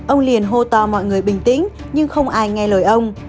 ông liền hô to mọi người bình tĩnh nhưng không ai nghe lời ông